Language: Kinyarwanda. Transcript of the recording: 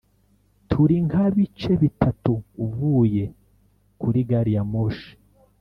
turi nka bice bitatu uvuye kuri gari ya moshi.